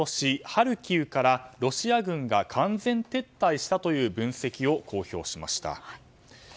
ハルキウからロシア軍が完全撤退したという分析を公表しました。